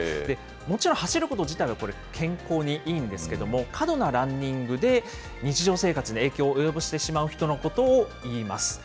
もちろん走ること自体は健康にいいんですけれども、過度なランニングで日常生活に影響を及ぼしてしまう人のことをいいます。